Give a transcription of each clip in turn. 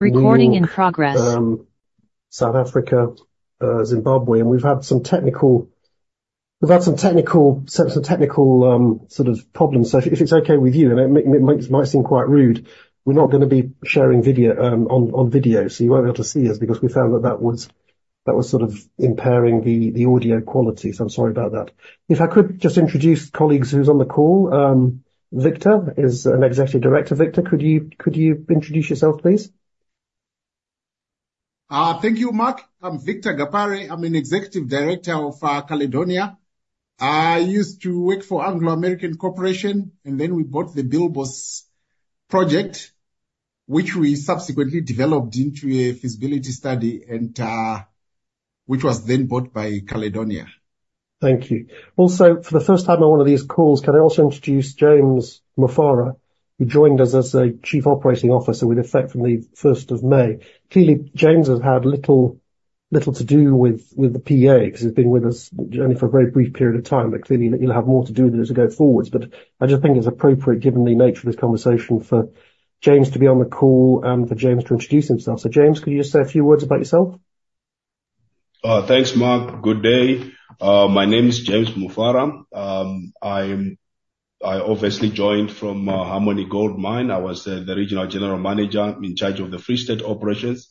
Recording in progress. We are South Africa, Zimbabwe, and we've had some technical sort of problems. So if it's okay with you, and it might seem quite rude, we're not gonna be sharing video on video. So you won't be able to see us because we found that that was sort of impairing the audio quality. So I'm sorry about that. If I could just introduce colleagues who's on the call, Victor is an Executive Director. Victor, could you introduce yourself, please? Thank you, Mark. I'm Victor Gapare. I'm an Executive Director of Caledonia. I used to work for Anglo American Corporation, and then we bought the Bilboes project, which we subsequently developed into a feasibility study and which was then bought by Caledonia. Thank you. Also, for the first time on one of these calls, can I also introduce James Mufara, who joined us as Chief Operating Officer with effect from the first of May. Clearly, James has had little to do with the PEA because he's been with us only for a very brief period of time, but clearly, he'll have more to do with it as we go forward. But I just think it's appropriate, given the nature of this conversation, for James to be on the call and for James to introduce himself. So James, could you just say a few words about yourself? Thanks, Mark. Good day. My name is James Mufara. I obviously joined from Harmony Gold Mine. I was the regional general manager in charge of the Free State operations.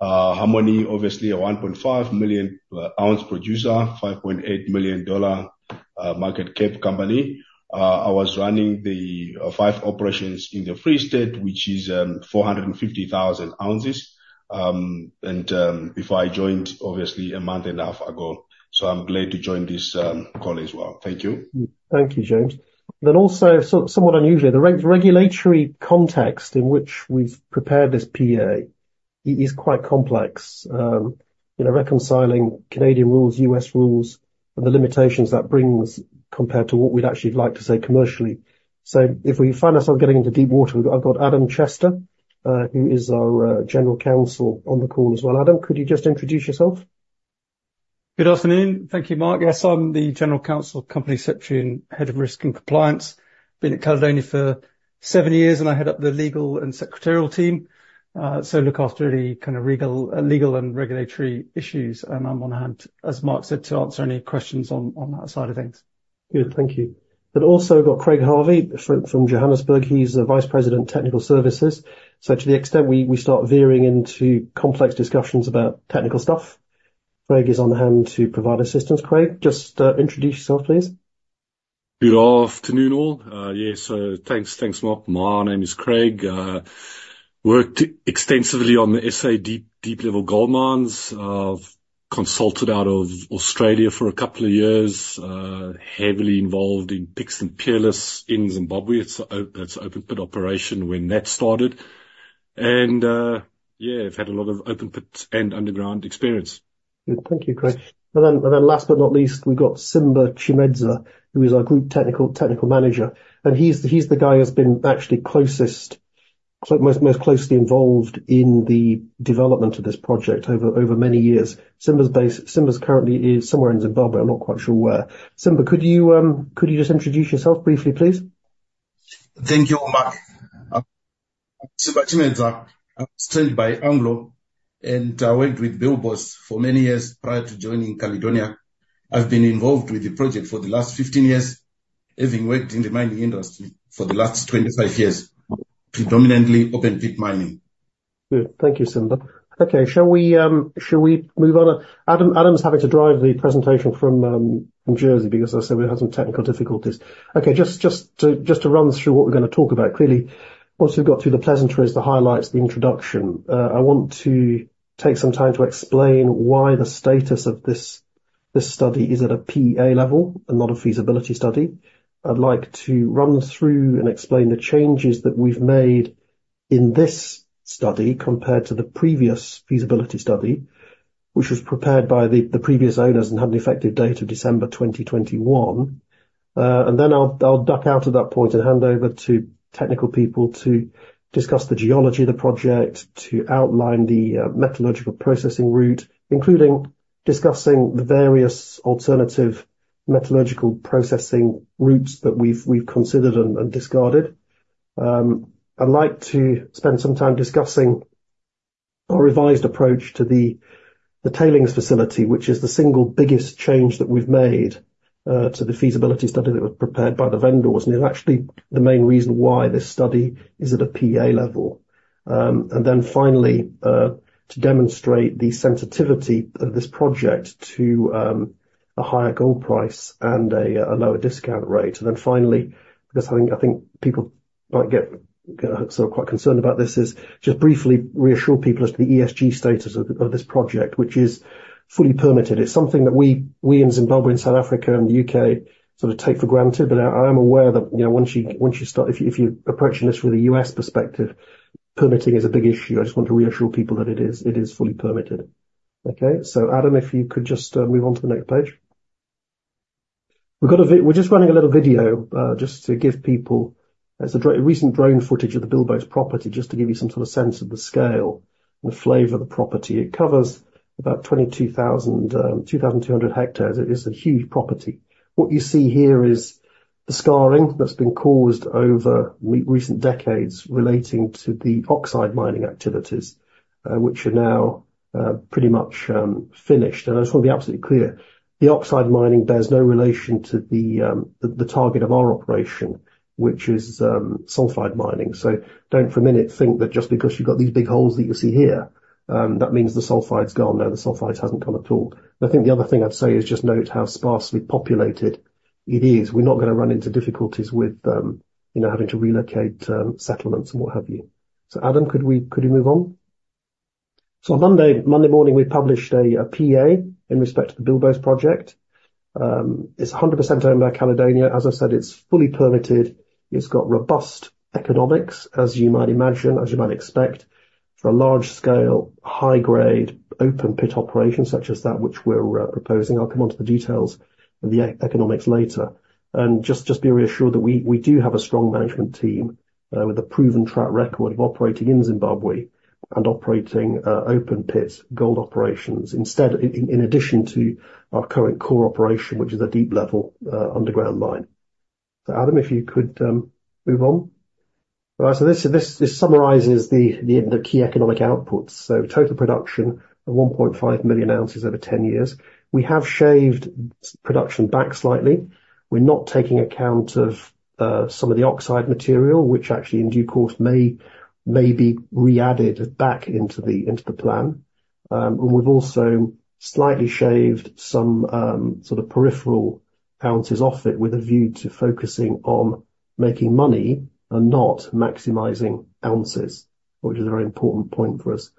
Harmony, obviously, a 1.5 million ounce producer, $5.8 million market cap company. I was running the five operations in the Free State, which is 450,000 ounces. Before I joined, obviously, a month and a half ago, so I'm glad to join this call as well. Thank you. Thank you, James. Somewhat unusually, the regulatory context in which we've prepared this PEA is quite complex. You know, reconciling Canadian rules, U.S. rules, and the limitations that brings, compared to what we'd actually like to say commercially. So if we find ourselves getting into deep water, I've got Adam Chester, who is our General Counsel, on the call as well. Adam, could you just introduce yourself? Good afternoon. Thank you, Mark. Yes, I'm the general counsel, company secretary and head of risk and compliance. Been at Caledonia for seven years, and I head up the legal and secretarial team. So look after any kind of regulatory legal and regulatory issues, and I'm on hand, as Mark said, to answer any questions on that side of things. Good. Thank you. But also, we've got Craig Harvey from Johannesburg. He's the Vice President, Technical Services. So to the extent we start veering into complex discussions about technical stuff, Craig is on hand to provide assistance. Craig, just, introduce yourself, please. Good afternoon, all. Yes, so thanks, thanks, Mark. My name is Craig. Worked extensively on the S.A. deep, deep level gold mines. Consulted out of Australia for a couple of years. Heavily involved in Pickstone-Peerless in Zimbabwe. That's open pit operation when that started. And, yeah, I've had a lot of open pit and underground experience. Good. Thank you, Craig. And then last but not least, we've got Simba Chimedza, who is our group technical manager, and he's the guy who's been actually most closely involved in the development of this project over many years. Simba's currently based somewhere in Zimbabwe. I'm not quite sure where. Simba, could you just introduce yourself briefly, please? Thank you, Mark. I'm Simba Chimedza. I was trained by Anglo, and I worked with Bilboes for many years prior to joining Caledonia. I've been involved with the project for the last 15 years, having worked in the mining industry for the last 25 years, predominantly open pit mining. Good. Thank you, Simba. Okay. Shall we, shall we move on? Adam, Adam's having to drive the presentation from, from Jersey, because as I said, we've had some technical difficulties. Okay, just, just to, just to run through what we're gonna talk about, clearly, once we've got through the pleasantries, the highlights, the introduction, I want to take some time to explain why the status of this, this study is at a PEA level and not a feasibility study. I'd like to run through and explain the changes that we've made in this study, compared to the previous feasibility study, which was prepared by the, the previous owners and had an effective date of December 2021. And then I'll duck out at that point and hand over to technical people to discuss the geology of the project, to outline the metallurgical processing route, including discussing the various alternative metallurgical processing routes that we've considered and discarded. I'd like to spend some time discussing our revised approach to the tailings facility, which is the single biggest change that we've made to the feasibility study that was prepared by the vendors, and is actually the main reason why this study is at a PEA level. And then finally, to demonstrate the sensitivity of this project to a higher gold price and a lower discount rate. And then finally, because I think, I think people might get sort of quite concerned about this, is just briefly reassure people as to the ESG status of, of this project, which is fully permitted. It's something that we, we in Zimbabwe and South Africa and the U.K. sort of take for granted, but I, I am aware that, you know, once you, once you start... If you, if you're approaching this from a U.S. perspective, permitting is a big issue. I just want to reassure people that it is, it is fully permitted. Okay, so Adam, if you could just move on to the next page. We've got a video. We're just running a little video just to give people... It's recent drone footage of the Bilboes property, just to give you some sort of sense of the scale and the flavor of the property. It covers about 22,200 hectares. It is a huge property. What you see here is the scarring that's been caused over recent decades relating to the oxide mining activities, which are now pretty much finished. I just want to be absolutely clear, the oxide mining, there's no relation to the target of our operation, which is sulfide mining. So don't for a minute think that just because you've got these big holes that you see here that means the sulfide's gone. No, the sulfide hasn't gone at all. I think the other thing I'd say is just note how sparsely populated it is. We're not gonna run into difficulties with, you know, having to relocate, settlements and what have you. So Adam, could we move on? So on Monday, Monday morning, we published a PEA in respect to the Bilboes project. It's 100% owned by Caledonia. As I said, it's fully permitted. It's got robust economics, as you might imagine, as you might expect, for a large scale, high grade, open pit operation such as that which we're proposing. I'll come on to the details of the economics later. And just be reassured that we do have a strong management team with a proven track record of operating in Zimbabwe and operating open pit gold operations. Instead, in addition to our current core operation, which is a deep level underground mine. So Adam, if you could, move on. All right, so this summarizes the key economic outputs. So total production of 1.5 million ounces over 10 years. We have shaved production back slightly. We're not taking account of, some of the oxide material, which actually, in due course, may be readded back into the plan. And we've also slightly shaved some, sort of peripheral ounces off it, with a view to focusing on making money and not maximizing ounces, which is a very important point for us.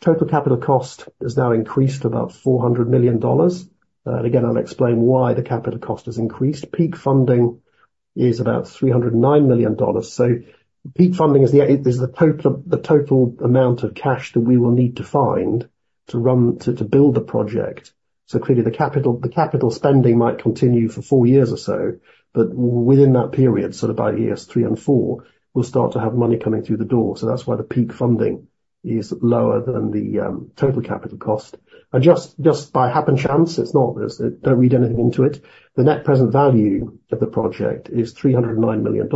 Total capital cost has now increased to about $400 million. And again, I'll explain why the capital cost has increased. Peak funding is about $309 million. So peak funding is the total amount of cash that we will need to find to build the project. So clearly, the capital spending might continue for four years or so, but within that period, sort of by years three and four, we'll start to have money coming through the door. So that's why the peak funding is lower than the total capital cost. And just by happenchance, it's not. Don't read anything into it. The net present value of the project is $309 million.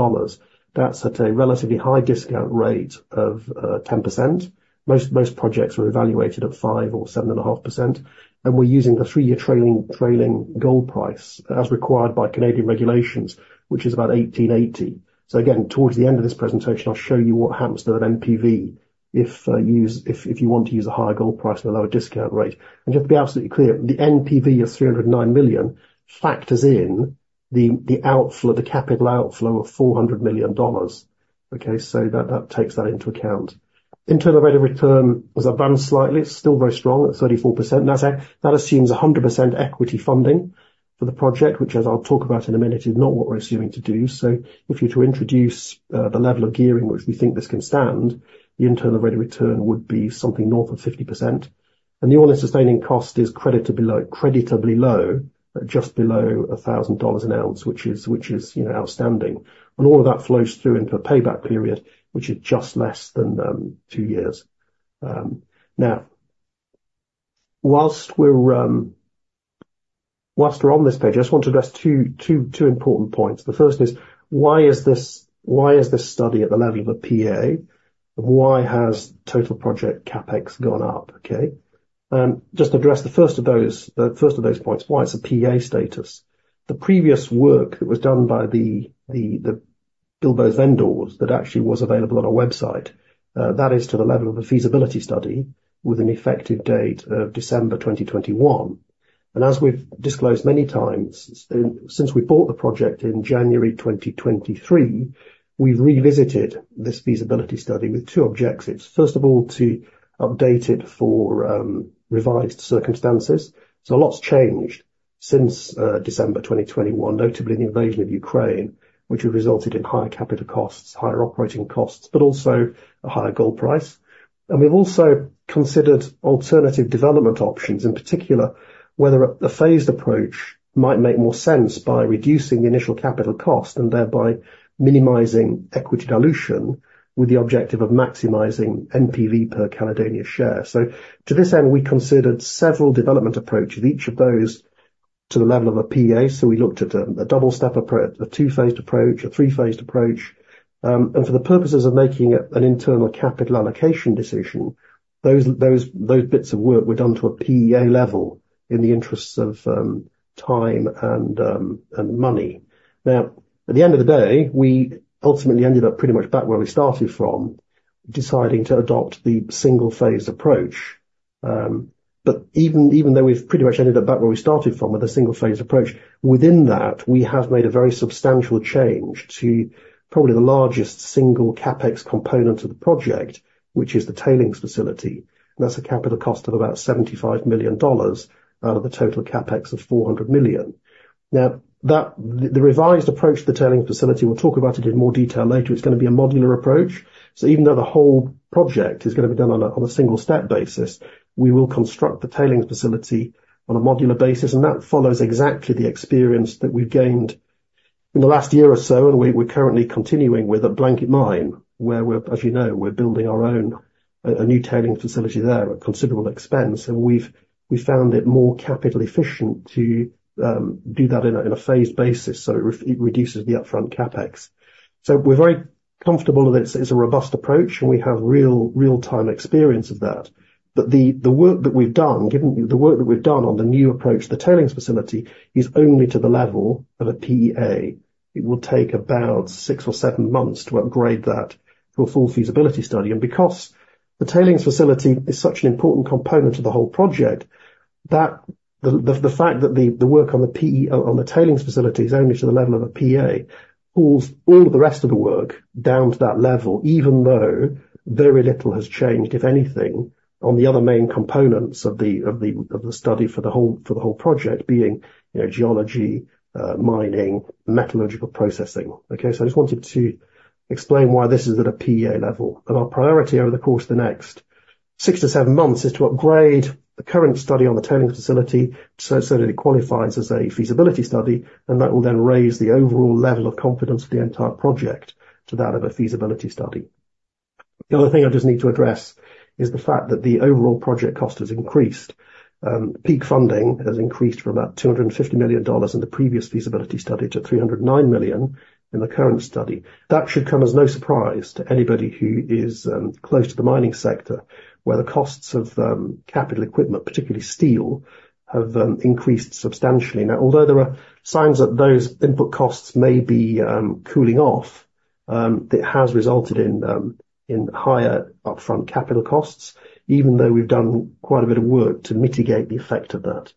That's at a relatively high discount rate of 10%. Most projects are evaluated at 5% or 7.5%, and we're using a three year trailing gold price, as required by Canadian regulations, which is about $1,880. So again, towards the end of this presentation, I'll show you what happens to that NPV if you want to use a higher gold price and a lower discount rate. And just to be absolutely clear, the NPV of $309 million factors in the outflow, the capital outflow of $400 million. Okay, so that takes that into account. Internal rate of return has advanced slightly. It's still very strong at 34%. That's that assumes 100% equity funding for the project, which, as I'll talk about in a minute, is not what we're assuming to do. So if you're to introduce the level of gearing, which we think this can stand, the internal rate of return would be something north of 50%. And the all-in sustaining cost is creditably low, creditably low, at just below $1,000 an ounce, which is, which is, you know, outstanding. And all of that flows through into a payback period, which is just less than 2 years. Now, while we're, while we're on this page, I just want to address 2 important points. The first is: why is this, why is this study at the level of a PEA? Why has total project CapEx gone up, okay? Just to address the first of those, the first of those points, why it's a PEA status. The previous work that was done by the Bilboes vendors, that actually was available on our website, that is to the level of a feasibility study with an effective date of December 2021. As we've disclosed many times, since we bought the project in January 2023, we've revisited this feasibility study with two objectives. First of all, to update it for revised circumstances. A lot's changed since December 2021, notably the invasion of Ukraine, which has resulted in higher capital costs, higher operating costs, but also a higher gold price. We've also considered alternative development options, in particular, whether a phased approach might make more sense by reducing the initial capital cost, and thereby minimizing equity dilution, with the objective of maximizing NPV per Caledonia share. To this end, we considered several development approaches, each of those to the level of a PEA. We looked at a double-step approach, a two-phased approach, a three-phased approach. And for the purposes of making an internal capital allocation decision, those bits of work were done to a PEA level in the interests of time and money. Now, at the end of the day, we ultimately ended up pretty much back where we started from, deciding to adopt the single-phased approach. But even though we've pretty much ended up back where we started from, with a single-phased approach, within that, we have made a very substantial change to probably the largest single CapEx component of the project, which is the tailings facility. And that's a capital cost of about $75 million out of the total CapEx of $400 million. Now, the revised approach to the tailings facility, we'll talk about it in more detail later. It's gonna be a modular approach. So even though the whole project is gonna be done on a single-step basis, we will construct the tailings facility on a modular basis, and that follows exactly the experience that we've gained in the last year or so, and we're currently continuing with at Blanket Mine, where, as you know, we're building our own new tailings facility there, at considerable expense, and we've found it more capital efficient to do that in a phased basis, so it reduces the upfront CapEx. So we're very comfortable that it's a robust approach, and we have real-time experience of that. But the work that we've done, given the work that we've done on the new approach, the tailings facility, is only to the level of a PEA. It will take about six or seven months to upgrade that to a full feasibility study. Because the tailings facility is such an important component of the whole project, the fact that the work on the PEA on the tailings facility is only to the level of a PEA pulls all the rest of the work down to that level, even though very little has changed, if anything, on the other main components of the study for the whole project, being, you know, geology, mining, metallurgical processing. Okay, so I just wanted to explain why this is at a PEA level. Our priority over the course of the next 6-7 months is to upgrade the current study on the tailings facility, so that it qualifies as a feasibility study, and that will then raise the overall level of confidence of the entire project to that of a feasibility study. The other thing I just need to address is the fact that the overall project cost has increased. Peak funding has increased from about $250 million in the previous feasibility study to $309 million in the current study. That should come as no surprise to anybody who is close to the mining sector, where the costs of capital equipment, particularly steel, have increased substantially. Now, although there are signs that those input costs may be cooling off, it has resulted in higher upfront capital costs, even though we've done quite a bit of work to mitigate the effect of that.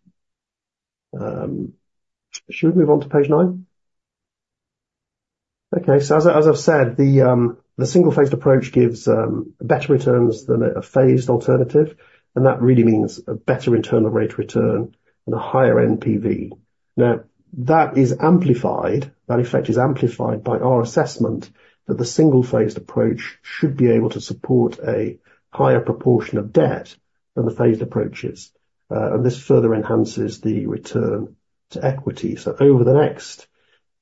Should we move on to page nine? Okay, so as I've said, the single-phased approach gives better returns than a phased alternative, and that really means a better internal rate of return and a higher NPV. Now, that is amplified, that effect is amplified by our assessment that the single-phased approach should be able to support a higher proportion of debt than the phased approaches. And this further enhances the return to equity. So over the next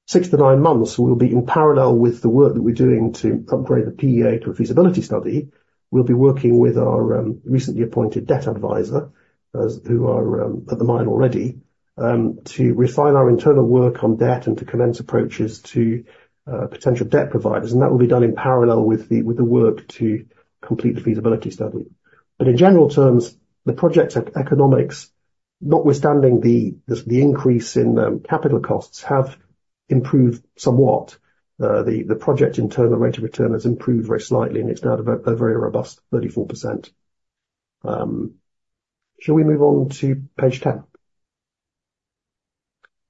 6-9 months, we'll be in parallel with the work that we're doing to upgrade the PEA to a feasibility study. We'll be working with our recently appointed debt advisor, who are at the mine already, to refine our internal work on debt and to commence approaches to potential debt providers, and that will be done in parallel with the work to complete the feasibility study. But in general terms, the project's economics, notwithstanding the increase in capital costs, have improved somewhat. The project internal rate of return has improved very slightly, and it's now at a very robust 34%. Shall we move on to page 10?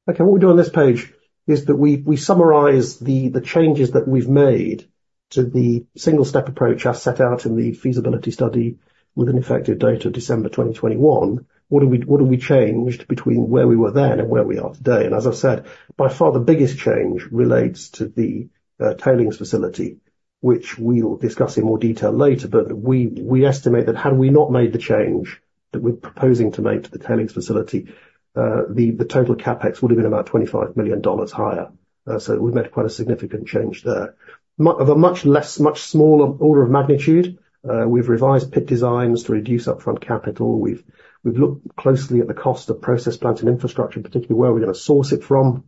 Okay, what we do on this page is that we summarize the changes that we've made to the single-step approach, as set out in the feasibility study with an effective date of December 2021. What have we changed between where we were then and where we are today? And as I've said, by far, the biggest change relates to the tailings facility, which we will discuss in more detail later. But we estimate that had we not made the change that we're proposing to make to the tailings facility, the total CapEx would have been about $25 million higher. So we've made quite a significant change there. Of a much less, much smaller order of magnitude, we've revised pit designs to reduce upfront capital. We've looked closely at the cost of process plant, and infrastructure, particularly where we're gonna source it from.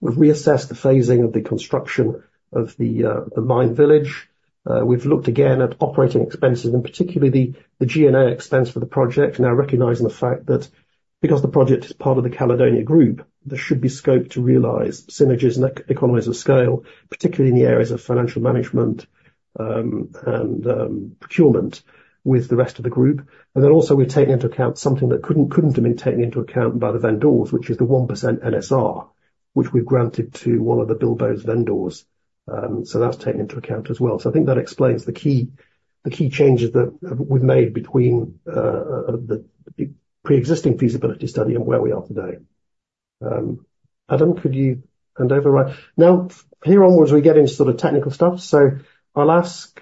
We've reassessed the phasing of the construction of the mine village. We've looked again at operating expenses, and particularly the G&A expense for the project, now recognizing the fact that because the project is part of the Caledonia group, there should be scope to realize synergies and economies of scale, particularly in the areas of financial management, and procurement with the rest of the group. And then also, we're taking into account something that couldn't have been taken into account by the vendors, which is the 1% NSR, which we've granted to one of the Bilboes vendors. So that's taken into account as well. So I think that explains the key changes that we've made between the pre-existing feasibility study and where we are today. Adam, could you hand over? Right, now, here onwards, we get into sort of technical stuff, so I'll ask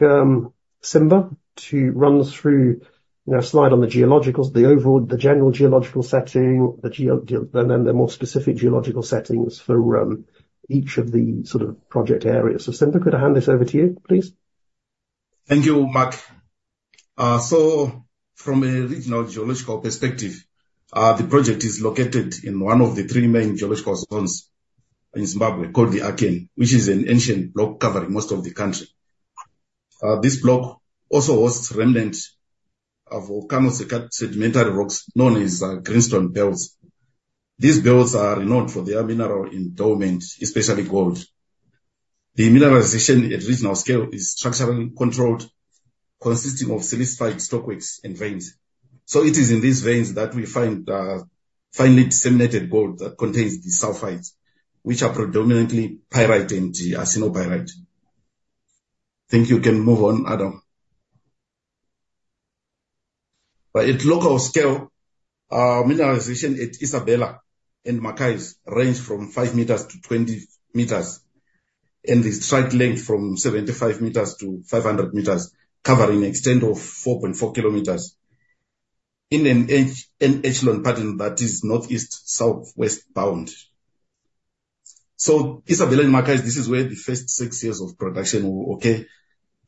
Simba to run us through, you know, a slide on the geological, the overall, the general geological setting, the geology, and then the more specific geological settings for each of the sort of project areas. So Simba, could I hand this over to you, please? Thank you, Mark. So from a regional geological perspective, the project is located in one of the three main geological zones in Zimbabwe, called the Archean, which is an ancient block covering most of the country. This block also hosts remnants of volcano-sedimentary rocks, known as greenstone belts. These belts are renowned for their mineral endowment, especially gold. The mineralization at regional scale is structurally controlled, consisting of silicified stockworks and veins. So it is in these veins that we find finely disseminated gold that contains the sulfides, which are predominantly pyrite and arsenopyrite. Thank you. You can move on, Adam. At local scale, our mineralization at Isabella and McCays range from 5m -20m, and the strike length from 75m-500m, covering an extent of 4.4km. in an en echelon pattern that is northeast, southwest bound. So Isabella and McCays, this is where the first six years of production will occur.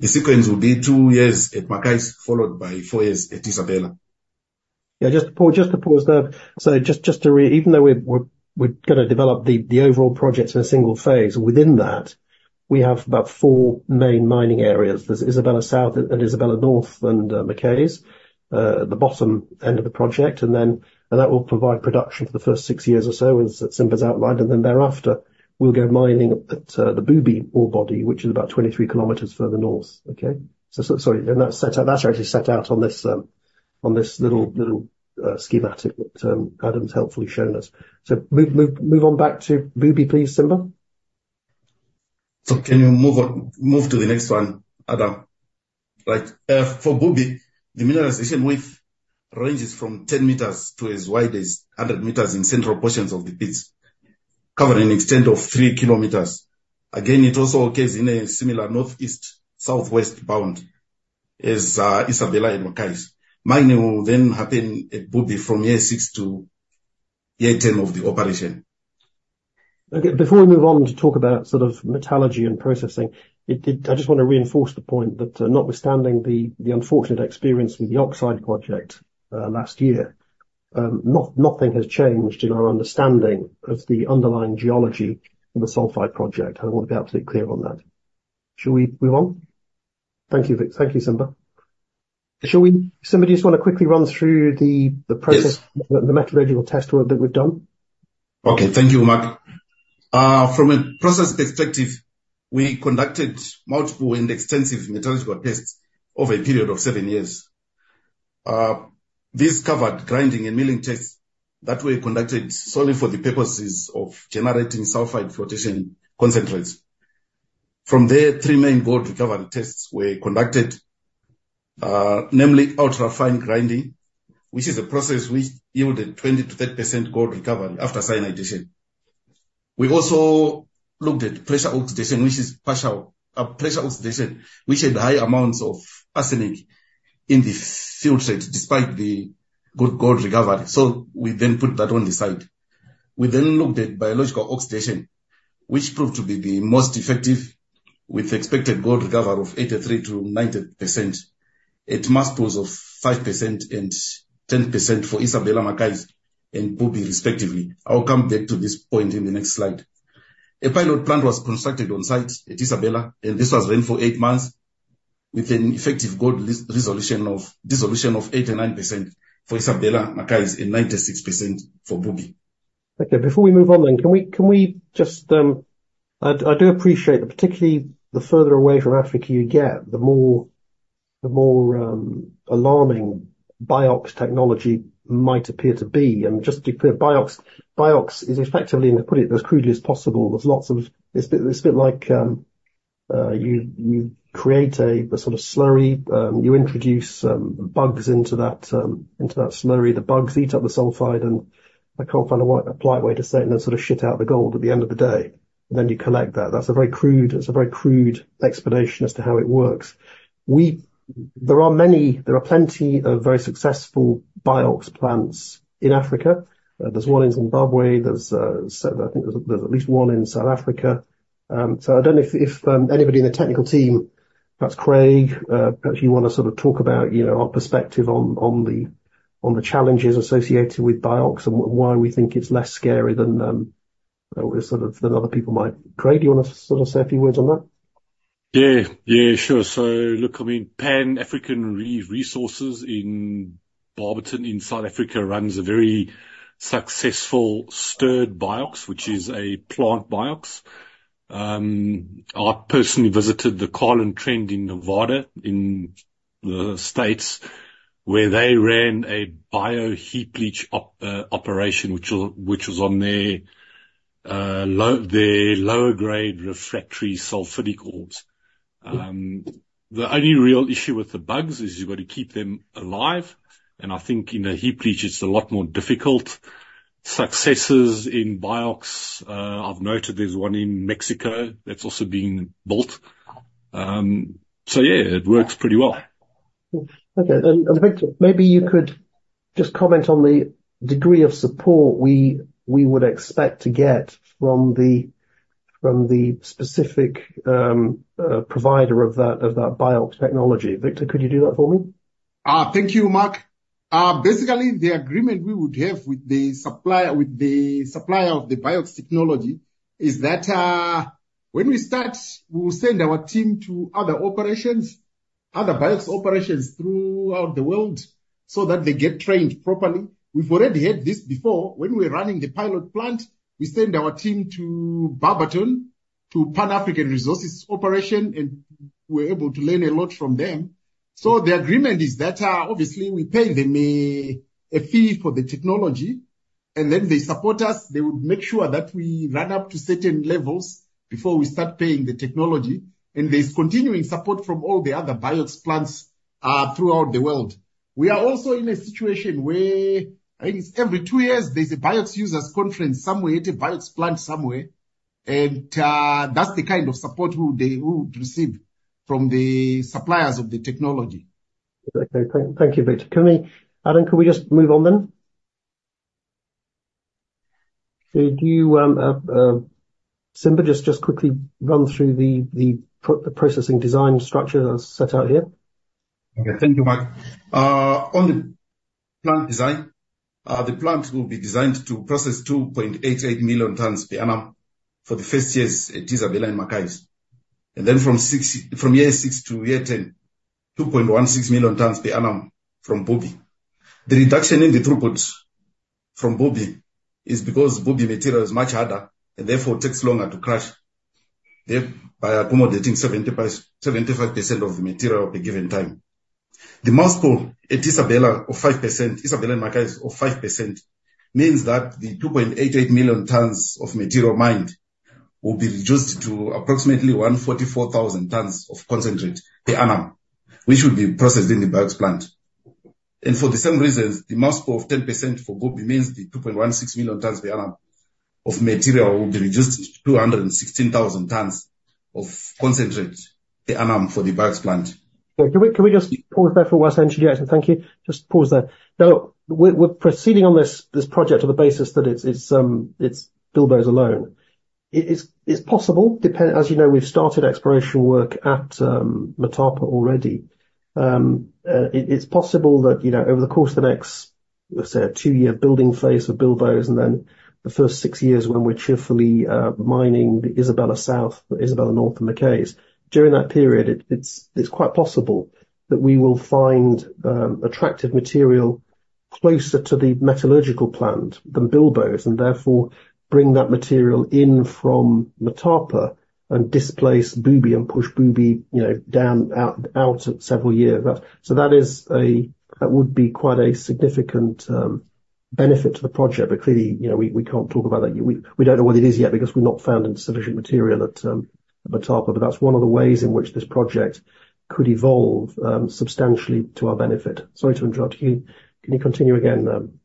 The sequence will be two years at McCays, followed by four years at Isabella. Yeah, just to pause, just to pause there. So just to reiterate even though we're gonna develop the overall projects in a single phase, within that, we have about four main mining areas. There's Isabella South and Isabella North and McCays at the bottom end of the project, and then that will provide production for the first six years or so, as Simba's outlined, and then thereafter, we'll go mining at the Bubi ore body, which is about 23km further north. Okay? So sorry, and that's set out, that's actually set out on this little schematic that Adam's helpfully shown us. So move, move, move on back to Bubi, please, Simba. So can you move on, move to the next one, Adam? Right. For Bubi, the mineralization width ranges from 10m to as wide as 100m in central portions of the pits, covering an extent of 3km. Again, it also occurs in a similar northeast, southwest bound as Isabella and McCays. Mining will then happen at Bubi from year six to year 10 of the operation. Okay. Before we move on to talk about sort of metallurgy and processing, I just want to reinforce the point that, notwithstanding the unfortunate experience with the oxide project last year, nothing has changed in our understanding of the underlying geology of the sulfide project. I want to be absolutely clear on that. Shall we move on? Thank you, Vic. Thank you, Simba. Shall we, Simba, do you just wanna quickly run through the process- Yes. the metallurgical test work that we've done? Okay. Thank you, Mark. From a process perspective, we conducted multiple and extensive metallurgical tests over a period of 7 years. This covered grinding and milling tests that were conducted solely for the purposes of generating sulfide flotation concentrates. From there, three main gold recovery tests were conducted, namely ultra fine grinding, which is a process which yielded 20%-30% gold recovery after cyanidation. We've also looked at pressure oxidation, which is partial. Pressure oxidation, which had high amounts of arsenic in the filtrate, despite the good gold recovery. So we then put that one aside. We then looked at biological oxidation, which proved to be the most effective, with expected gold recovery of 83%-90%, at mass pulls of 5% and 10% for Isabella, McCays, and Bubi respectively. I'll come back to this point in the next slide. A pilot plant was constructed on site at Isabella, and this was run for eight months with an effective gold dissolution of 89% for Isabella, McCays, and 96% for Bubi. Okay, before we move on then, can we just, I do appreciate that particularly the further away from Africa you get, the more alarming BIOX technology might appear to be. And just to be clear, BIOX is effectively, and to put it as crudely as possible, there's lots of. It's a bit like, you create a sort of slurry. You introduce some bugs into that slurry. The bugs eat up the sulfide, and I can't find a polite way to say it, and they sort of shit out the gold at the end of the day, and then you collect that. That's a very crude explanation as to how it works. There are plenty of very successful BIOX plants in Africa. There's one in Zimbabwe. So I think there's at least one in South Africa. So I don't know if anybody in the technical team, perhaps Craig, perhaps you wanna sort of talk about, you know, our perspective on the challenges associated with BIOX and why we think it's less scary than, sort of, other people might. Craig, do you wanna sort of say a few words on that? Yeah. Yeah, sure. So look, I mean, Pan African Resources in Barberton, in South Africa, runs a very successful stirred BIOX, which is a plant BIOX. I personally visited the Carlin Trend in Nevada, in the States, where they ran a bio heap leach operation, which was on their lower grade refractory sulfidic ores. The only real issue with the bugs is you've got to keep them alive, and I think in a heap leach, it's a lot more difficult. Successes in BIOX, I've noted there's one in Mexico that's also being built. So yeah, it works pretty well. Okay. And Victor, maybe you could just comment on the degree of support we would expect to get from the specific provider of that BIOX technology. Victor, could you do that for me? Thank you, Mark. Basically, the agreement we would have with the supplier, with the supplier of the BIOX technology is that, when we start, we will send our team to other operations, other BIOX operations throughout the world, so that they get trained properly. We've already had this before. When we were running the pilot plant, we sent our team to Barberton, to Pan African Resources operation, and we were able to learn a lot from them. So the agreement is that, obviously, we pay them a, a fee for the technology, and then they support us. They would make sure that we run up to certain levels, before we start paying the technology, and there's continuing support from all the other BIOX plants, throughout the world. We are also in a situation where, and it's every two years, there's a BIOX users' conference somewhere, at a BIOX plant somewhere.... And, that's the kind of support we would, we would receive from the suppliers of the technology. Okay. Thank you, Victor. Can we, Alan, just move on then? Could you, Simba, just quickly run through the processing design structure that's set out here? Okay, thank you, Mark. On the plant design, the plant will be designed to process 2.88 million tons per annum for the first years at Isabella and McCays. Then from year 6 to year 10, 2.16 million tons per annum from Bubi. The reduction in the throughput from Bubi is because Bubi material is much harder, and therefore takes longer to crush, thereby accommodating 75% of the material at a given time. The mass pull at Isabella of 5%, Isabella and McCays of 5%, means that the 2.88 million tons of material mined will be reduced to approximately 144,000 tons of concentrate per annum, which will be processed in the BIOX plant. For the same reasons, the mass pull of 10% for Bubi means the 2.16 million tons per annum of material will be reduced to 216,000 tons of concentrate per annum for the BIOX plant. Okay. Can we just pause there for one second yet, and thank you. Just pause there. Now, we're proceeding on this project on the basis that it's Bilboes alone. It's possible, depend- as you know, we've started exploration work at Motapa already. It's possible that, you know, over the course of the next, let's say, two-year building phase of Bilboes, and then the first six years when we're cheerfully mining the Isabella South, Isabella North, and McCays. During that period, it's quite possible that we will find attractive material closer to the metallurgical plant than Bilboes, and therefore bring that material in from Motapa and displace Bubi and push Bubi, you know, down, out, out several years. So that is a... That would be quite a significant benefit to the project, but clearly, you know, we can't talk about that. We don't know what it is yet, because we've not found sufficient material at Motapa. But that's one of the ways in which this project could evolve substantially to our benefit. Sorry to interrupt you. Can you continue again,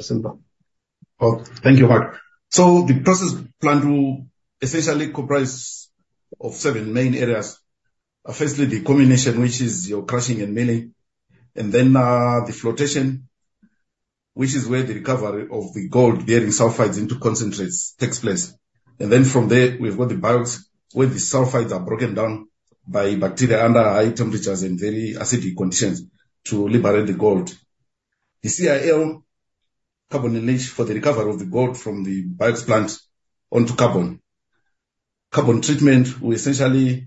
Simba? Well, thank you, Mark. So the process plan will essentially comprise of seven main areas. Firstly, the comminution, which is your crushing and milling, and then the flotation, which is where the recovery of the gold bearing sulfides into concentrates takes place. And then from there, we've got the BIOX, where the sulfides are broken down by bacteria under high temperatures and very acidic conditions to liberate the gold. The CIL, carbon leach, for the recovery of the gold from the BIOX plant onto carbon. Carbon treatment will essentially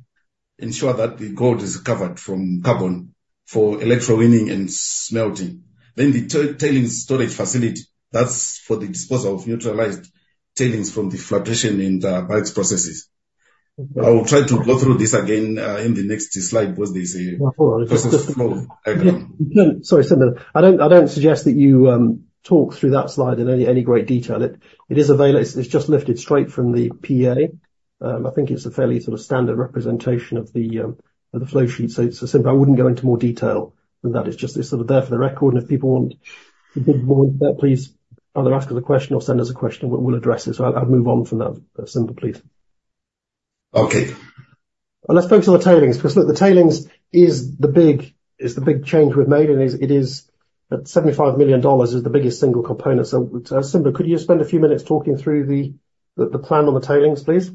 ensure that the gold is recovered from carbon for electrowinning and smelting. Then the tailings storage facility, that's for the disposal of neutralized tailings from the flotation and BIOX processes. I will try to go through this again in the next slide, because there's a- No, sorry. This is small. Yeah. No, sorry, Simba. I don't, I don't suggest that you talk through that slide in any, any great detail. It, it is available. It's, it's just lifted straight from the PEA. I think it's a fairly sort of standard representation of the of the flow sheet. So, so Simba, I wouldn't go into more detail than that. It's just, it's sort of there for the record, and if people want a bit more than that, please either ask us a question or send us a question, and we'll address it. So I'd move on from that, Simba, please. Okay. Let's focus on the tailings, 'cause look, the tailings is the big, is the big change we've made, and it is at $75 million, is the biggest single component. So, Simba, could you spend a few minutes talking through the plan on the tailings, please?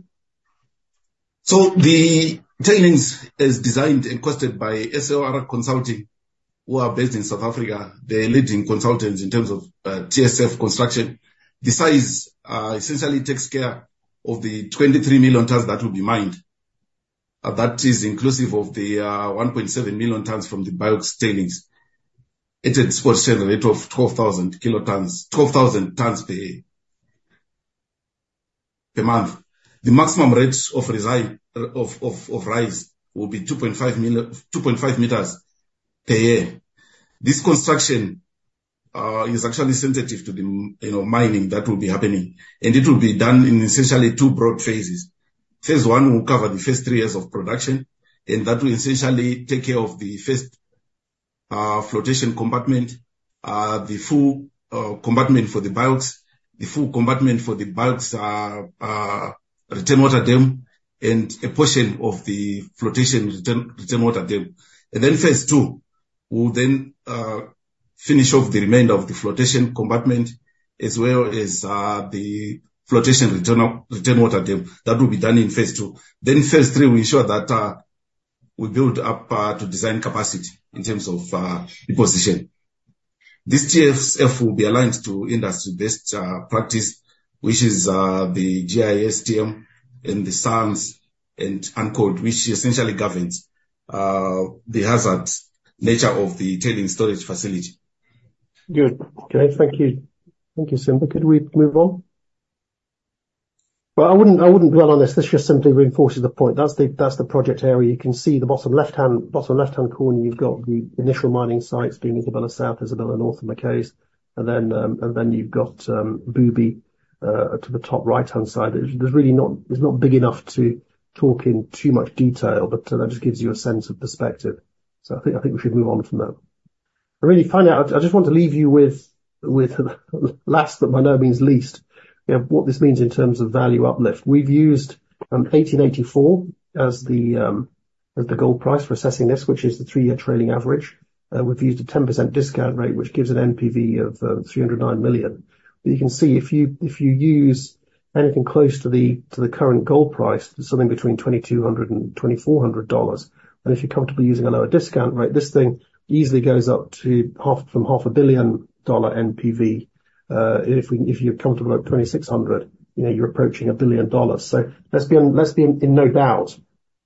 So the tailings is designed and quoted by SLR Consulting, who are based in South Africa. They're leading consultants in terms of TSF construction. The size essentially takes care of the 23 million tons that will be mined. That is inclusive of the 1.7 million tons from the BIOX tailings. It's at a rate of 12,000 kilotons, 12,000 tons per year per month. The maximum rates of rise will be 2.5 million, 2.5m per year. This construction is actually sensitive to the mining, you know, that will be happening, and it will be done in essentially two broad phases. phase I will cover the first three years of production, and that will essentially take care of the first flotation compartment, the full compartment for the BIOX, the full compartment for the BIOX, return water dam, and a portion of the flotation return return water dam. And then phase II will then finish off the remainder of the flotation compartment, as well as the flotation return water dam. That will be done in phase II. Then in phase III, we ensure that we build up to design capacity in terms of the position. This TSF will be aligned to industry best practice, which is the GISTM and the SANS and UN code, which essentially governs the hazard nature of the tailings storage facility. Good. Okay, thank you. Thank you, Simba. Could we move on? Well, I wouldn't, I wouldn't dwell on this. This just simply reinforces the point. That's the, that's the project area. You can see the bottom left-hand, bottom left-hand corner, you've got the initial mining sites being Isabella South, Isabella North, and McCays. And then, and then you've got, Bubi, to the top right-hand side. There's really it's not big enough to talk in too much detail, but, that just gives you a sense of perspective. So I think, I think we should move on from that. I really find out, I just want to leave you with, with last, but by no means least, you know, what this means in terms of value uplift. We've used 1,884 as the gold price for assessing this, which is the three-year trailing average. We've used a 10% discount rate, which gives an NPV of $309 million. But you can see, if you use anything close to the current gold price, something between $2,200-$2,400, and if you're comfortable using a lower discount rate, this thing easily goes up to $500 million NPV. If you're comfortable at 2,600, you know, you're approaching $1 billion. So let's be on, let's be in no doubt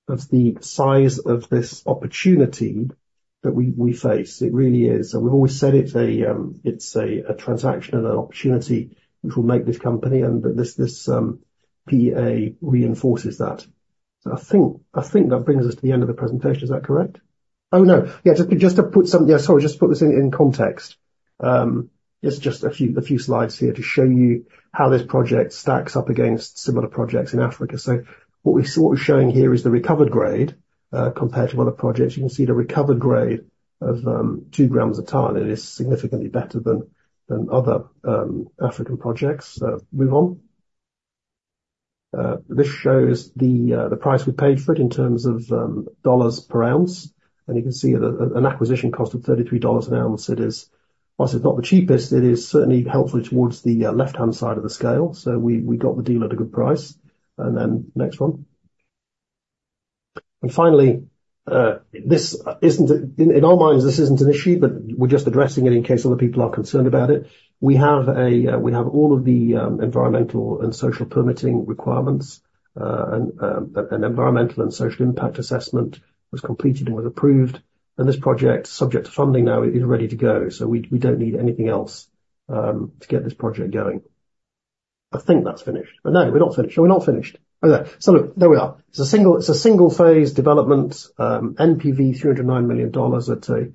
of the size of this opportunity that we face. It really is. And we've always said it's a transaction and an opportunity which will make this company, but this PEA reinforces that. So I think that brings us to the end of the presentation. Is that correct? Oh, no. Yeah, just to put some... Yeah, sorry, just to put this in context, just a few slides here to show you how this project stacks up against similar projects in Africa. So what we're showing here is the recovered grade compared to other projects. You can see the recovered grade of 2g a ton, and it is significantly better than other African projects. Move on. This shows the price we paid for it in terms of dollars per ounce, and you can see that an acquisition cost of $33 an ounce, it is, while it's not the cheapest, it is certainly helpful towards the left-hand side of the scale. So we got the deal at a good price. Then next one. Finally, this isn't an issue, but we're just addressing it in case other people are concerned about it. In our minds, we have all of the environmental and social permitting requirements, and an environmental and social impact assessment was completed and was approved. This project, subject to funding now, is ready to go. So we don't need anything else to get this project going. I think that's finished. But no, we're not finished. No, we're not finished. Okay. So look, there we are. It's a single, it's a single-phase development, NPV $309 million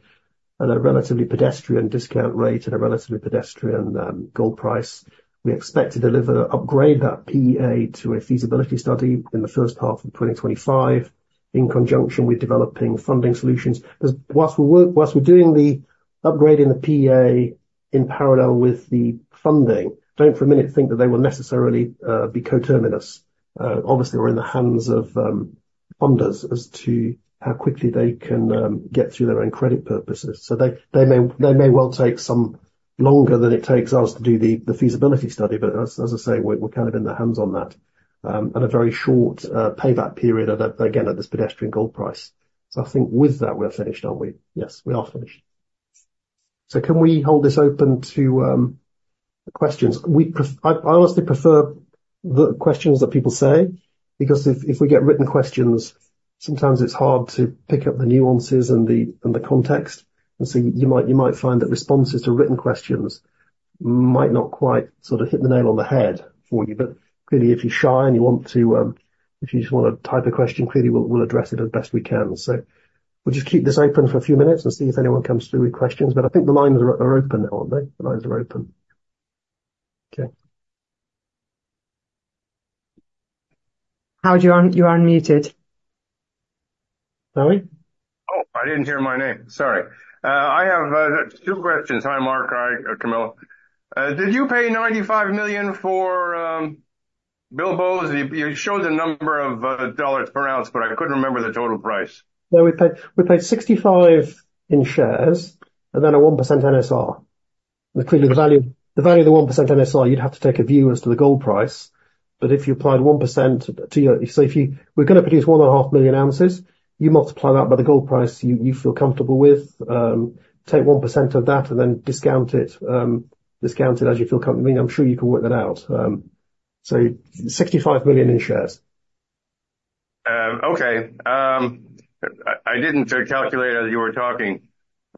at a relatively pedestrian discount rate and a relatively pedestrian gold price. We expect to deliver, upgrade that PEA to a feasibility study in the first half of 2025, in conjunction with developing funding solutions. Because while we work, while we're doing the upgrade in the PEA in parallel with the funding, don't for a minute think that they will necessarily be coterminous. Obviously, we're in the hands of funders as to how quickly they can get through their own credit purposes. So they may well take some longer than it takes us to do the feasibility study, but as I say, we're kind of in their hands on that. And a very short payback period of again, at this pedestrian gold price. So I think with that, we are finished, aren't we? Yes, we are finished. So can we hold this open to questions? I honestly prefer the questions that people say, because if we get written questions, sometimes it's hard to pick up the nuances and the context. And so you might find that responses to written questions might not quite sort of hit the nail on the head for you. But clearly, if you're shy and you want to, if you just wanna type a question, clearly, we'll, we'll address it as best we can. So we'll just keep this open for a few minutes and see if anyone comes through with questions. But I think the lines are, are open now, aren't they? The lines are open. Okay. Howard, you're on, you are unmuted. Howard? Oh, I didn't hear my name. Sorry. I have two questions. Hi, Mark. Hi, Camilla. Did you pay $95 million for Bilboes? You showed the number of dollars per ounce, but I couldn't remember the total price. No, we paid, we paid 65 in shares and then a 1% NSR. And clearly, the value, the value of the 1% NSR, you'd have to take a view as to the gold price, but if you applied 1% to your... So if you- we're gonna produce 1.5 million ounces, you multiply that by the gold price you, you feel comfortable with, take 1% of that, and then discount it, discount it as you feel comfortable. I mean, I'm sure you can work that out. So $65 million in shares. Okay. I didn't calculate as you were talking,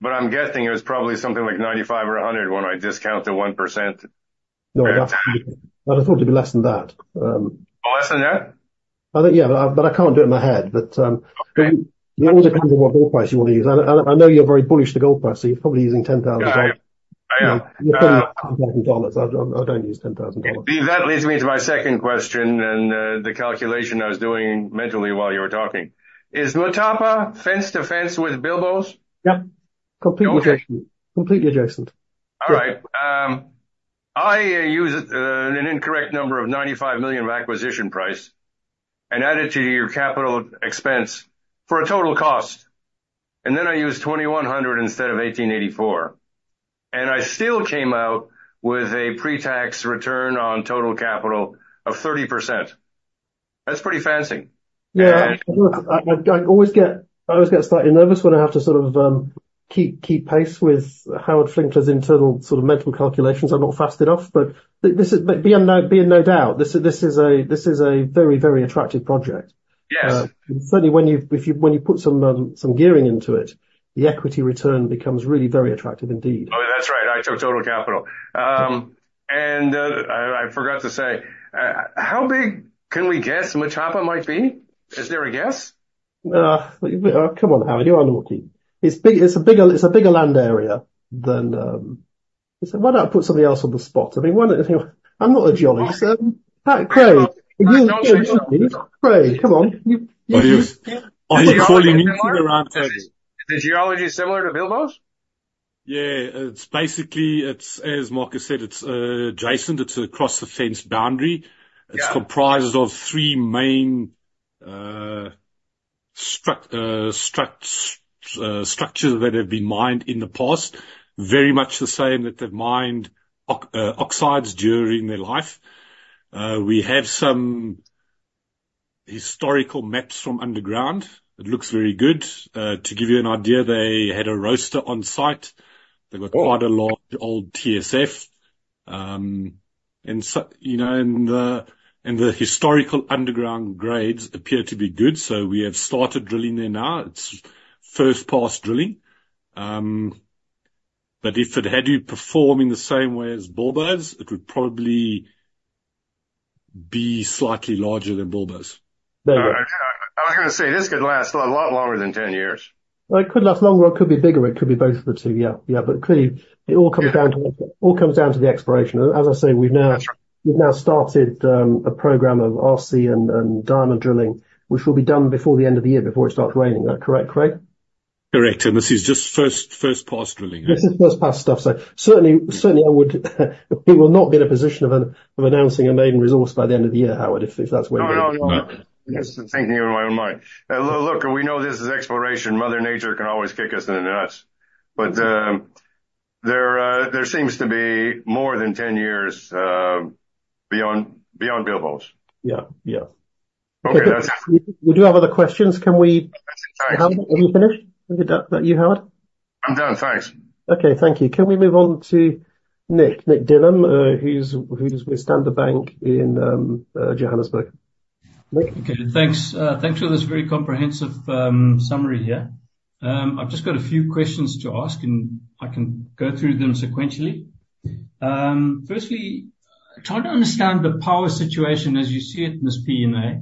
but I'm guessing it was probably something like 95 or 100 when I discount the 1%. No, I'd have thought it'd be less than that, Less than that? I think, yeah, but I can't do it in my head. But, Okay. It all depends on what gold price you want to use. I know you're very bullish to gold price, so you're probably using $10,000. I am. You're using $10,000. I, I don't use $10,000. That leads me to my second question and, the calculation I was doing mentally while you were talking. Is Motapa fence-to-fence with Bilboes? Yep. Okay. completely adjacent. All right. I used an incorrect number of $95 million acquisition price and added to your capital expense for a total cost, and then I used $2,100 instead of $1,884, and I still came out with a pre-tax return on total capital of 30%. That's pretty fancy. Yeah. I always get slightly nervous when I have to sort of keep pace with Howard Finkler's internal sort of mental calculations. I'm not fast enough, but be in no doubt, this is a very attractive project. Yes. Certainly, when you put some gearing into it, the equity return becomes really very attractive indeed. Oh, that's right. I took total capital. I forgot to say how big can we guess Motapa might be? Is there a guess? Come on, Howard, you are naughty. It's a bigger land area than. So why not put somebody else on the spot? I mean, why don't, you know— I'm not a geologist, Craig, come on. Are you calling me to the rampart? Is the geology similar to Bilboes? Yeah, it's basically, it's as Marcus said, it's adjacent. It's a cross-the-fence boundary. Yeah. It's comprised of three main structures that have been mined in the past. Very much the same, that they've mined oxides during their life. We have some historical maps from underground. It looks very good. To give you an idea, they had a roaster on site. Oh! They've got quite a lot of old TSF. And so, you know, and the historical underground grades appear to be good, so we have started drilling there now. It's first pass drilling. But if it had to perform in the same way as Bilboes, it would probably be slightly larger than Bilboes. I was gonna say, this could last a lot longer than 10 years. Well, it could last longer, or it could be bigger. It could be both of the two, yeah, yeah. But clearly, it all comes down to, all comes down to the exploration. As I say, we've now, we've now started a program of RC and diamond drilling, which will be done before the end of the year, before it starts raining. Is that correct, Craig? Correct, and this is just first pass drilling. This is first pass stuff, so certainly, certainly I would... we will not be in a position of, of announcing a maiden resource by the end of the year, Howard, if, if that's where you're- No, no, no. No. Just thinking in my own mind. Look, we know this is exploration. Mother Nature can always kick us in the nuts. Mm-hmm. But, there seems to be more than 10 years beyond Bilboes. Yeah. Yeah. Okay, that's- We do have other questions. Can we- Thanks. Are you finished with that, you, Howard? I'm done, thanks. Okay, thank you. Can we move on to Nick, Nick Dlamini, who's with Standard Bank in Johannesburg? Nick? Okay, thanks. Thanks for this very comprehensive, summary here. I've just got a few questions to ask, and I can go through them sequentially. Firstly, trying to understand the power situation as you see it in this PEA.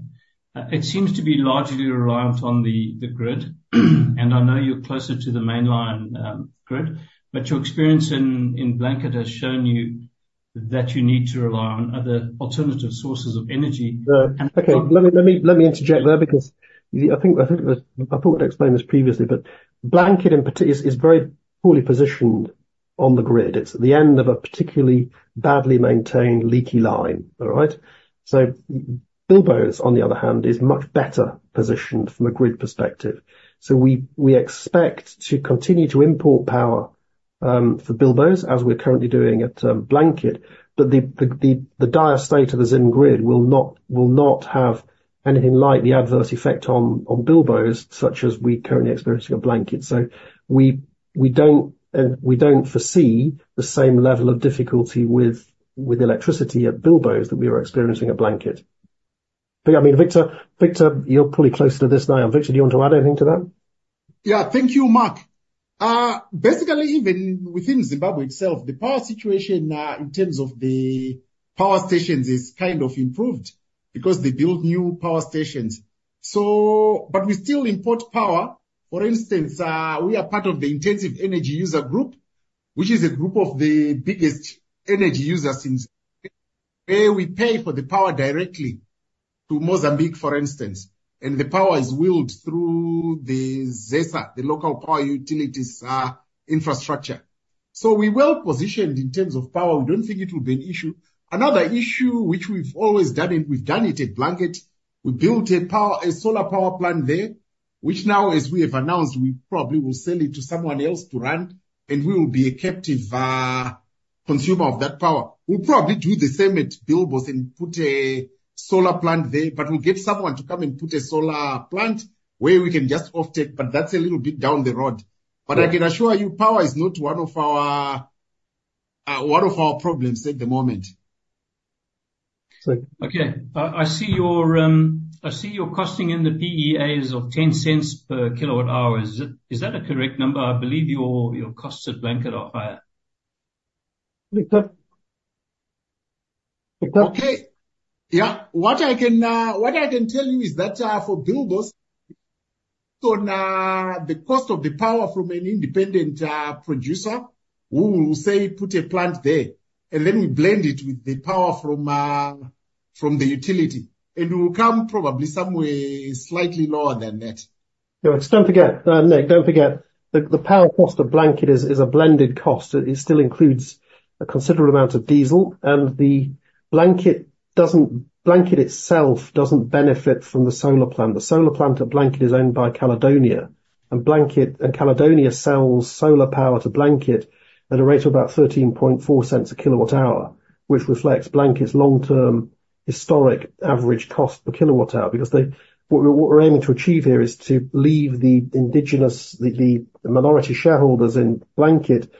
It seems to be largely reliant on the grid, and I know you're closer to the mainline, grid, but your experience in Blanket has shown you that you need to rely on other alternative sources of energy. Okay. Let me interject there, because I think I thought I explained this previously, but Blanket in particular is very poorly positioned on the grid. It's at the end of a particularly badly maintained, leaky line. All right? So Bilboes, on the other hand, is much better positioned from a grid perspective. So we expect to continue to import power for Bilboes, as we're currently doing at Blanket. But the dire state of the Zim grid will not have anything like the adverse effect on Bilboes, such as we're currently experiencing at Blanket. So we don't foresee the same level of difficulty with electricity at Bilboes that we are experiencing at Blanket. But, I mean, Victor, you're probably closer to this than I am. Victor, do you want to add anything to that? Yeah, thank you, Mark. Basically, even within Zimbabwe itself, the power situation, in terms of the power stations, is kind of improved, because they built new power stations. So... But we still import power. For instance, we are part of the Intensive Energy User Group, which is a group of the biggest energy users in Zimbabwe we pay for the power directly to Mozambique, for instance, and the power is wheeled through the ZESA, the local power utilities, infrastructure. So we're well-positioned in terms of power. We don't think it will be an issue. Another issue, which we've always done, and we've done it at Blanket, we built a power- a solar power plant there, which now, as we have announced, we probably will sell it to someone else to run, and we will be a captive, consumer of that power. We'll probably do the same at Bilboes and put a solar plant there, but we'll get someone to come and put a solar plant where we can just off-take. But that's a little bit down the road. Yeah. But I can assure you, power is not one of our problems at the moment. So- Okay, I see your costing in the PEAs of $0.10 per kWh. Is that a correct number? I believe your costs at Blanket are higher. Victor? Victor. Okay. Yeah. What I can tell you is that for Bilboes, so now the cost of the power from an independent producer, who will say put a plant there, and then we blend it with the power from the utility, and it will come probably somewhere slightly lower than that. Yeah, just don't forget, Nick, don't forget, the power cost of Blanket is a blended cost. It still includes a considerable amount of diesel, and Blanket itself doesn't benefit from the solar plant. The solar plant at Blanket is owned by Caledonia, and Caledonia sells solar power to Blanket at a rate of about $0.134 per kWh, which reflects Blanket's long-term historic average cost per kWh. Because what we're aiming to achieve here is to leave the indigenous, the minority shareholders in Blanket,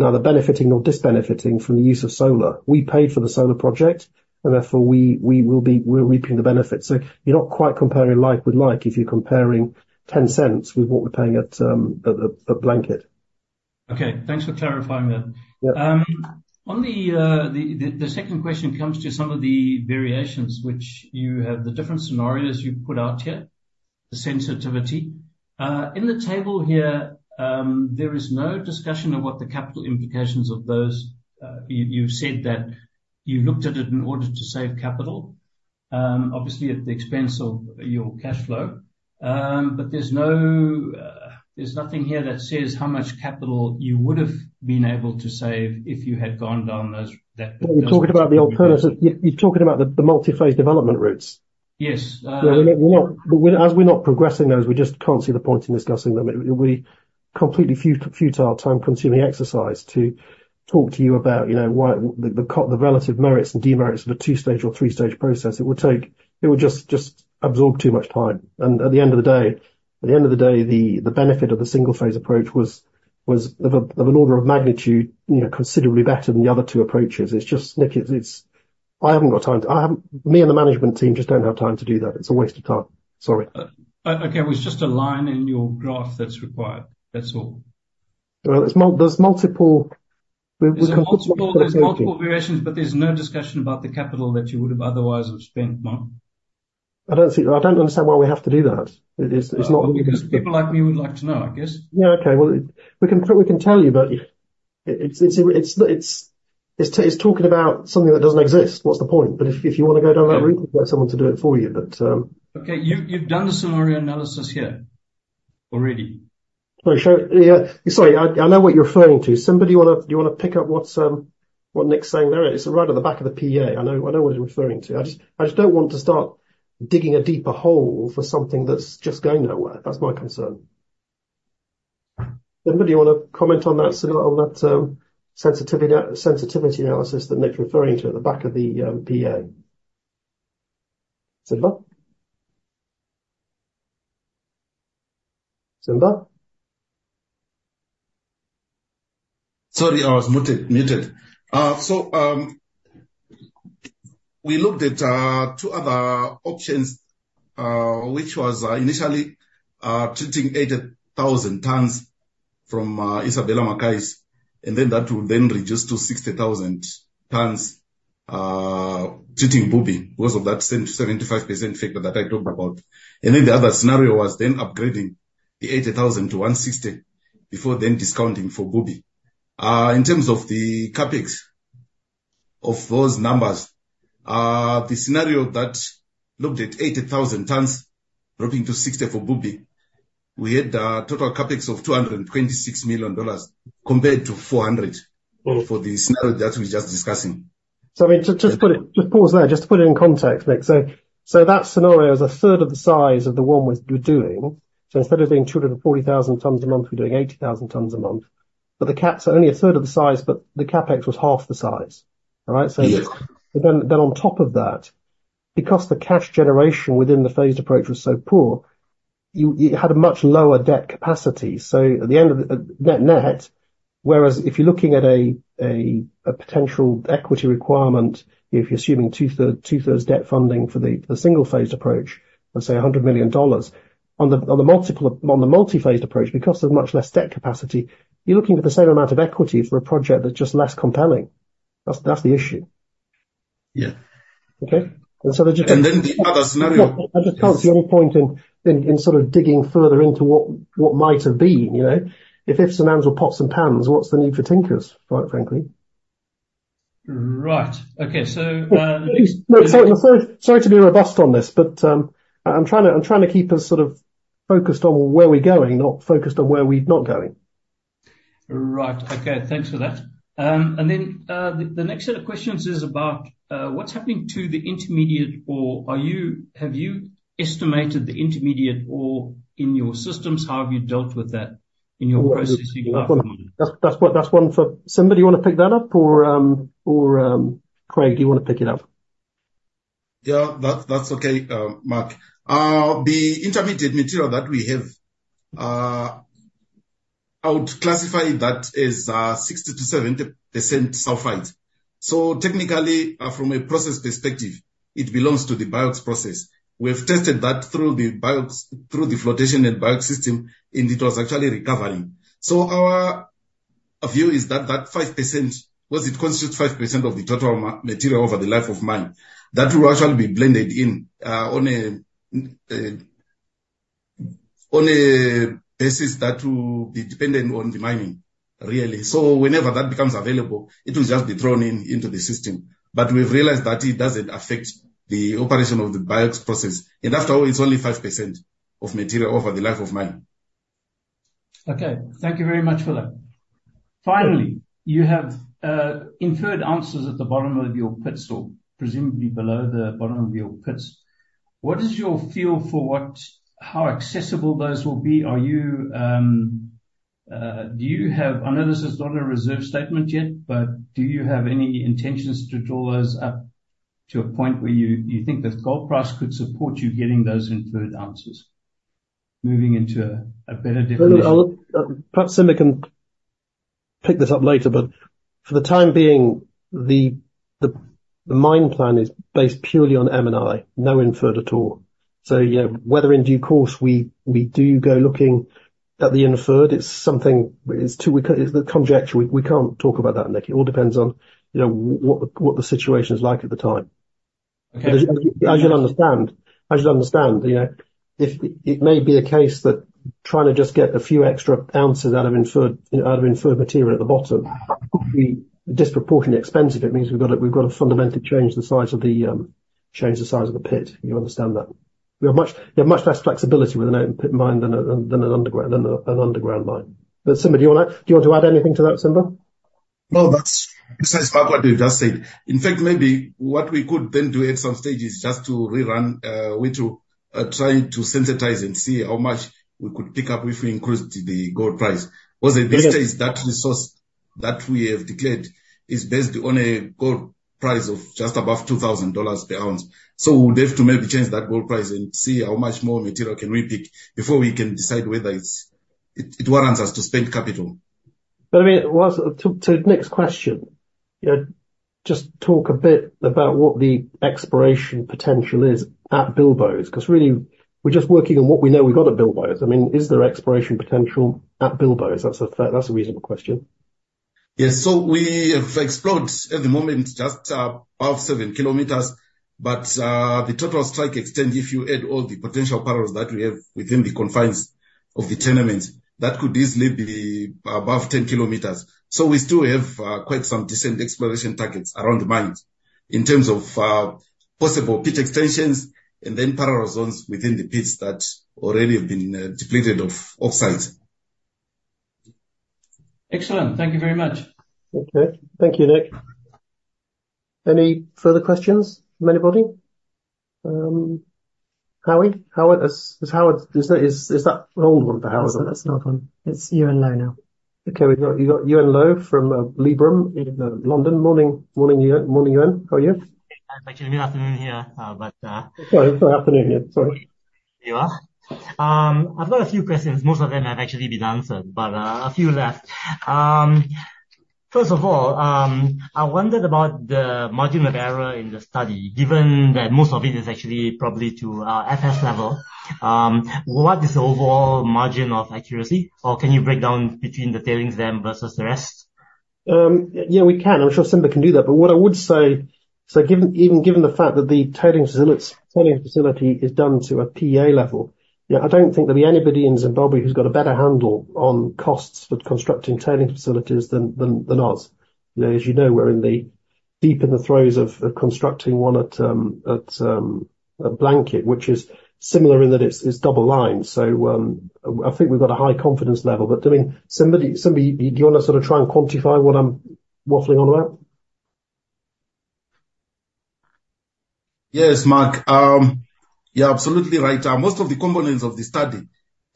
neither benefiting or dis-benefiting from the use of solar. We paid for the solar project, and therefore, we will be, we're reaping the benefits. So you're not quite comparing like with like, if you're comparing $0.10 with what we're paying at Blanket. Okay, thanks for clarifying that. Yeah. On the second question comes to some of the variations which you have, the different scenarios you've put out here... the sensitivity. In the table here, there is no discussion of what the capital implications of those, you've said that you looked at it in order to save capital, obviously, at the expense of your cashflow. But there's no, there's nothing here that says how much capital you would've been able to save if you had gone down those, that- Well, we're talking about the alternatives. You, you're talking about the multi-phase development routes? Yes. Uh- Well, we're not. As we're not progressing those, we just can't see the point in discussing them. It'll be completely futile, time-consuming exercise to talk to you about, you know, why the relative merits and demerits of a two-stage or three-stage process. It would just absorb too much time. And at the end of the day, the benefit of the single-phase approach was of an order of magnitude, you know, considerably better than the other two approaches. It's just, Nick, it's. I haven't got time to. Me and the management team just don't have time to do that. It's a waste of time. Sorry. Okay. It was just a line in your graph that's required, that's all. Well, there's multiple, we, we- There's multiple variations, but there's no discussion about the capital that you would've otherwise have spent, Mark. I don't see. I don't understand why we have to do that. It's not- Well, because people like me would like to know, I guess. Yeah, okay. Well, we can tell you, but it's talking about something that doesn't exist. What's the point? But if you wanna go down that route, get someone to do it for you. But Okay, you've done the scenario analysis here already. Oh, sure. Yeah. Sorry, I know what you're referring to. Somebody, you wanna pick up what's what Nick's saying there? It's right at the back of the PEA. I know what he's referring to. I just don't want to start digging a deeper hole for something that's just going nowhere. That's my concern. Anybody want to comment on that scenario, on that sensitivity analysis that Nick's referring to at the back of the PEA? Simba? Simba? Sorry, I was muted, muted. So, we looked at two other options, which was initially treating 80,000 tons from Isabella McCays, and then that would then reduce to 60,000 tons treating Bubi because of that 70-75% figure that I talked about. And then, the other scenario was then upgrading the 80,000 to 160, before then discounting for Bubi. In terms of the CapEx of those numbers, the scenario that looked at 80,000 tons dropping to 60 for Bubi, we had a total CapEx of $226 million, compared to 400- Mm. -for the scenario that we're just discussing. So I mean, just put it... Just pause there, just to put it in context, Nick. So that scenario is a third of the size of the one we're doing. So instead of doing 240,000 tons a month, we're doing 80,000 tons a month. But the caps are only a third of the size, but the CapEx was half the size. All right, so- Yes. But then on top of that, because the cash generation within the phased approach was so poor, you had a much lower debt capacity. So at the end of the net net, whereas if you're looking at a potential equity requirement, if you're assuming two-thirds debt funding for the single-phased approach, let's say $100 million, on the multi-phased approach, because of much less debt capacity, you're looking at the same amount of equity for a project that's just less compelling. That's the issue. Yeah. Okay? And so they're just- And then the other scenario- I just can't see any point in sort of digging further into what might have been, you know? If ifs and ands were pots and pans, what's the need for tinkers, quite frankly. Right. Okay, so, Nick, sorry, sorry, sorry to be robust on this, but, I'm trying to, I'm trying to keep us sort of focused on where we're going, not focused on where we're not going. Right. Okay, thanks for that. And then the next set of questions is about what's happening to the intermediate, or are you, have you estimated the intermediate ore in your systems? How have you dealt with that in your processing platform? That's one for... Simba, do you wanna pick that up or, or Craig, do you wanna pick it up? Yeah, that's, that's okay, Mark. The intermediate material that we have, I would classify that as 60%-70% sulfide. So technically, from a process perspective, it belongs to the BIOX process. We have tested that through the BIOX, through the flotation and BIOX system, and it was actually recovering. So our view is that, that 5%, because it constitutes 5% of the total material over the life of mine, that will actually be blended in, on a, on a basis that will be dependent on the mining, really. So whenever that becomes available, it will just be thrown in, into the system. But we've realized that it doesn't affect the operation of the BIOX process. And after all, it's only 5% of material over the life of mine. Okay. Thank you very much, for that. Finally, you have inferred ounces at the bottom of your pits, or presumably below the bottom of your pits. What is your feel for how accessible those will be? Are you, do you have... I know this is not a reserve statement yet, but do you have any intentions to draw those up to a point where you think the gold price could support you getting those inferred ounces, moving into a better definition? Well, look, perhaps Simba can pick this up later, but for the time being, the mine plan is based purely on M&I, no inferred at all. So yeah, whether in due course we do go looking at the inferred, it's conjecture. We can't talk about that, Nick. It all depends on, you know, what the situation is like at the time. As you'll understand, you know, if it may be the case that trying to just get a few extra ounces out of inferred material at the bottom, could be disproportionately expensive. It means we've gotta fundamentally change the size of the pit. You understand that? We have much less flexibility with an open pit mine than an underground mine. But Simba, do you wanna... Do you want to add anything to that, Simba? No, that's, that's exactly what you've just said. In fact, maybe what we could then do at some stage is just to rerun way to trying to sensitize and see how much we could pick up if we increased the gold price. Because at this stage, that resource that we have declared is based on a gold price of just above $2,000 per ounce. So we'll have to maybe change that gold price and see how much more material can we pick before we can decide whether it's, it, it warrants us to spend capital. I mean, it was to Nick's question, you know, just talk a bit about what the exploration potential is at Bilboes. 'Cause really, we're just working on what we know we've got at Bilboes. I mean, is there exploration potential at Bilboes? That's a fair, that's a reasonable question. Yes. So we have explored at the moment, just above 7km, but the total strike extent, if you add all the potential parallels that we have within the confines of the tenement, that could easily be above 10km. So we still have quite some decent exploration targets around the mines, in terms of possible pit extensions and then parallel zones within the pits that already have been depleted of oxides. Excellent. Thank you very much. Okay. Thank you, Nick. Any further questions from anybody? Howard? Is that Howard? Is that an old one for Howard? That's not one. It's Yuen Low now. Okay, we've got, we've got Yuen Low from Liberum in London. Morning, morning, Yuen. Morning, Yuen. How are you? It's actually mid-afternoon here, but, Sorry, it's the afternoon. Yeah. Sorry. You are. I've got a few questions. Most of them have actually been answered, but a few left. First of all, I wondered about the margin of error in the study, given that most of it is actually probably to FS level. What is the overall margin of accuracy, or can you break down between the tailings dam versus the rest? Yeah, we can. I'm sure Simba can do that. But what I would say, so given, even given the fact that the tailings facility, tailings facility is done to a PEA level, yeah, I don't think there'll be anybody in Zimbabwe who's got a better handle on costs for constructing tailings facilities than us. You know, as you know, we're deep in the throes of constructing one at Blanket, which is similar in that it's double lined. So, I think we've got a high confidence level, but I mean, Simba, do you wanna sort of try and quantify what I'm waffling on about? Yes, Mark. You're absolutely right. Most of the components of the study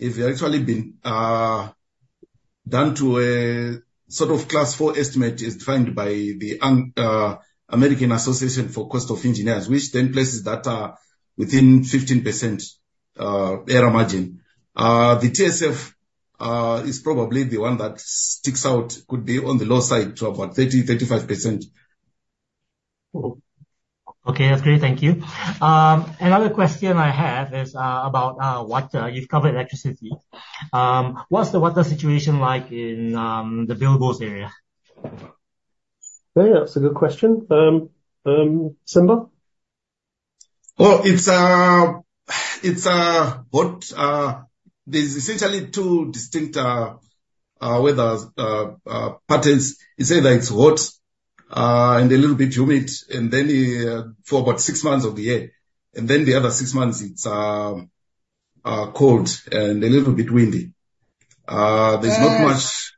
have actually been done to a sort of Class 4 estimate, as defined by the AACE, American Association of Cost Engineers, which then places that within 15% error margin. The TSF is probably the one that sticks out, could be on the low side to about 30%-35%. Okay, that's great. Thank you. Another question I have is about water. You've covered electricity. What's the water situation like in the Bilboes area? Yeah, that's a good question. Simba? Well, it's hot. There's essentially two distinct weather patterns. It's either hot and a little bit humid, and then for about six months of the year, and then the other six months, it's cold and a little bit windy. There's not much-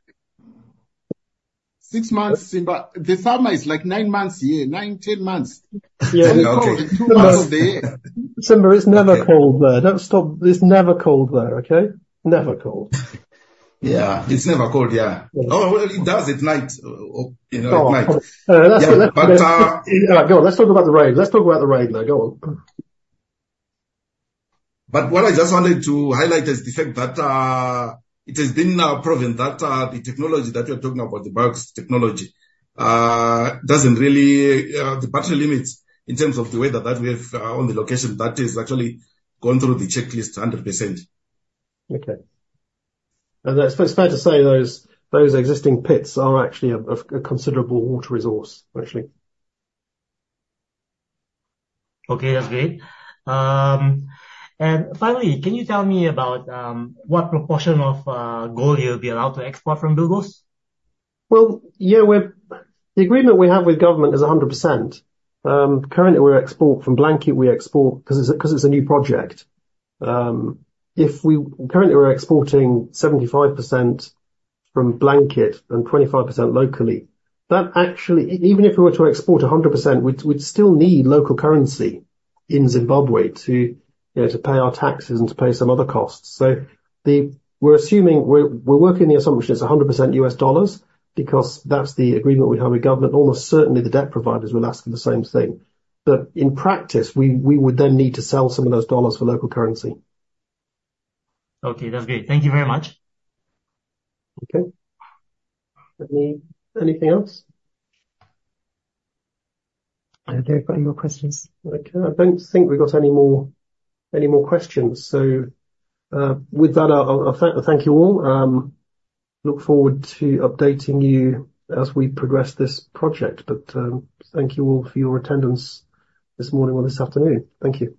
Six months, Simba? The summer is like nine months a year, nine, ten months. Yeah, okay. Two months of the year. Simba, it's never cold there. Don't stop. It's never cold there, okay? Never cold. Yeah, it's never cold, yeah. Oh, well, it does at night, you know, at night. Let's. But, uh- Go on, let's talk about the rain. Let's talk about the rain now. Go on. But what I just wanted to highlight is the fact that it has been now proven that the technology that we're talking about, the BIOX technology, doesn't really the battery limits in terms of the weather that we have on the location, that has actually gone through the checklist 100%. Okay. It's fair to say those existing pits are actually a considerable water resource, actually. Okay, that's great. And finally, can you tell me about what proportion of gold you'll be allowed to export from Bilboes? Well, yeah, the agreement we have with government is 100%. Currently we export from Blanket, because it's a new project. Currently we're exporting 75% from Blanket and 25% locally. That actually, even if we were to export 100%, we'd still need local currency in Zimbabwe to, you know, to pay our taxes and to pay some other costs. So we're assuming, we're working the assumption it's 100% US dollars, because that's the agreement we have with government. Almost certainly, the debt providers will ask for the same thing. But in practice, we would then need to sell some of those dollars for local currency. Okay, that's great. Thank you very much. Okay. Anything else? I don't think we've got any more questions. Okay. I don't think we've got any more questions. With that, I'll thank you all. Look forward to updating you as we progress this project. Thank you all for your attendance this morning or this afternoon. Thank you.